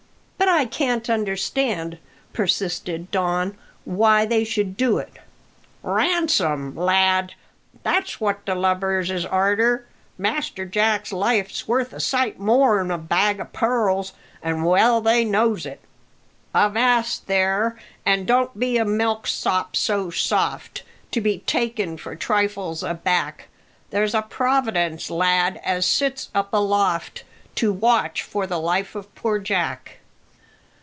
"But I can't understand," persisted Don, "why they should do it." "Ransom, lad, that's what the lubbers is arter. Master Jack's life's worth a sight more'n a bag o' pearls, an' well they knows it. "Avast there, an' don't be a milksop so soft, To be taken for trifles aback; There's a Providence, lad, as sits up aloft To watch for the life of poor Jack."